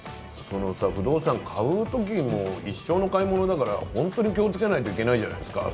不動産、買う時も一生の買い物だから本当に気をつけないといけないじゃないですか。